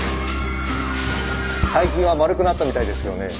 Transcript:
最近はまるくなったみたいですけどね。